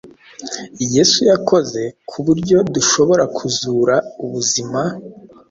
Yesu yakoze ku buryo dushobora kuzura ubuzima,